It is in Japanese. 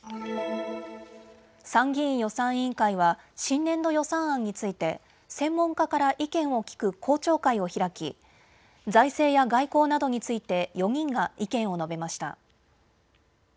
参議院予算委員会は新年度予算案について専門家から意見を聞く公聴会を開き財政や外交などについて４人が意見を述べました。